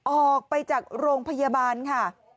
ออกไปจากโรงพยาบาลค่ะ